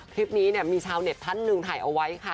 คลิปนี้เนี่ยมีชาวเน็ตท่านหนึ่งถ่ายเอาไว้ค่ะ